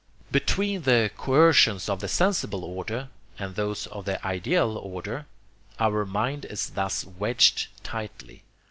Between the coercions of the sensible order and those of the ideal order, our mind is thus wedged tightly.